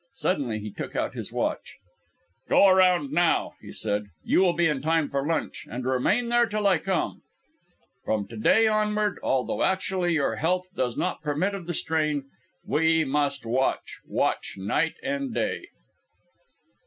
Suddenly he took out his watch. "Go around now," he said "you will be in time for lunch and remain there until I come. From to day onward, although actually your health does not permit of the strain, we must watch, watch night and day."